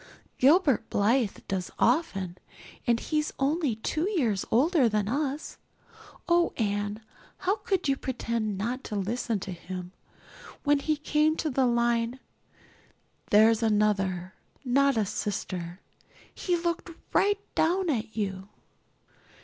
Gilbert Blythe does often and he's only two years older than us. Oh, Anne, how could you pretend not to listen to him? When he came to the line, 'There's Another, not a sister,' he looked right down at you."